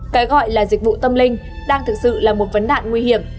cái gọi là dịch vụ tâm linh đang thực sự là một vấn đạn nguy hiểm